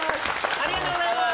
ありがとうございます！